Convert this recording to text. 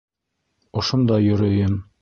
Ошонда йөрөйөм.